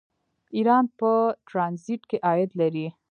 ایران په ټرانزیټ کې عاید لري.